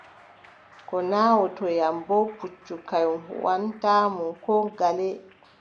Ko naawotoyam boo, puccu kanyum huuwwantaamo koo ngale.